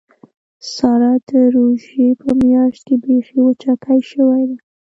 ساره د روژې په میاشت کې بیخي وچکۍ شوې ده.